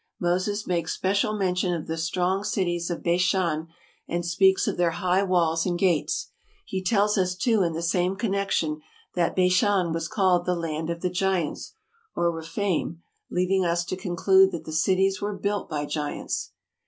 Moses makes special mention of the strong cities of Bashan, and speaks of their high walls and gates. He tells us, too, in the same connection, that Bashan was called '' the land of the giants '' (or Rephaim) ; leaving us to conclude that the cities were built by giants.